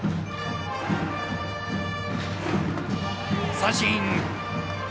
三振。